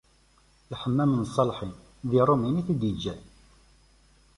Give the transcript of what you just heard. Lḥemmam n Ṣṣalḥin d Irumaniyen i t-id-yeǧǧan.